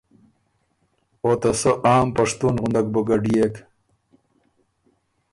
او ته سۀ عام پشتُون غندک بُو ګډيېک۔